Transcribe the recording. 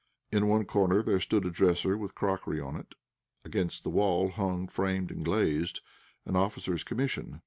In one corner there stood a dresser with crockery on it. Against the wall hung, framed and glazed, an officer's commission.